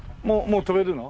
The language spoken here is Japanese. もう飛べるの？